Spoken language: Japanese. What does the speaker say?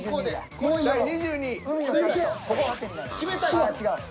決めたい。